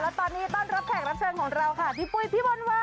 และตอนนี้ต้อนรับแขกรับเชิญของเราค่ะพี่ปุ้ยพี่มนต์วัน